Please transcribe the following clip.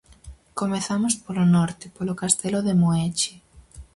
Comezamos polo norte, polo Castelo de Moeche.